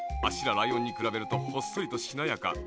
ライオンにくらべるとほっそりとしなやか。